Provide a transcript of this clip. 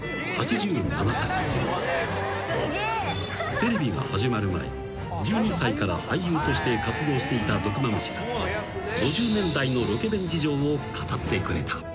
［テレビが始まる前１２歳から俳優として活動していた毒蝮が５０年代のロケ弁事情を語ってくれた］